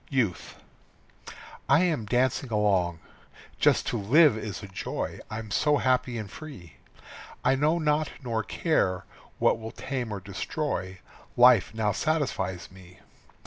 YOUTH. I am dancing along. Just to live is a joy, I'm so happy and free. I know not nor care what will tame or destroy, Life now satisfies me.